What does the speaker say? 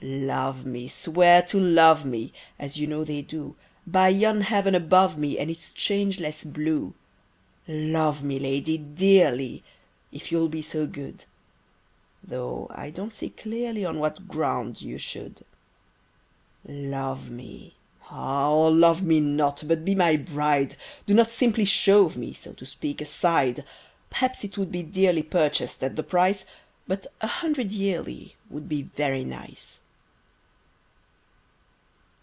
Love me, swear to love me (As, you know, they do) By yon heaven above me And its changeless blue. Love me, lady, dearly, If you'll be so good; Though I don't see clearly On what ground you should. Love me—ah or love me Not, but be my bride! Do not simply shove me (So to speak) aside! P'raps it would be dearly Purchased at the price; But a hundred yearly Would be very nice.